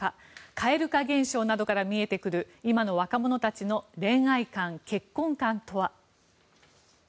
蛙化現象などから見えてくる今の若者たちの恋愛観、結婚観とは。